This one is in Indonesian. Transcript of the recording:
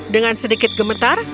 dengan sedikit gemetar